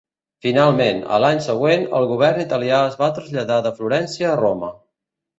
Finalment, a l'any següent el govern italià es va traslladar de Florència a Roma.